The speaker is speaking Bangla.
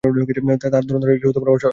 তাঁর ধরন-ধারণ একটু অস্বাভাবিক রকমের ছিল।